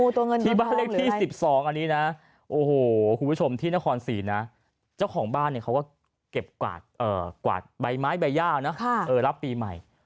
ที่บ้านเลขที่๑๒คุณผู้ชมที่นขศรีเจ้าของบ้านเก็บกวาดใบไม้ใบยาวรับปีใหม่